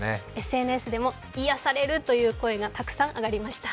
ＳＮＳでも癒やされるという声がたくさん上がりました。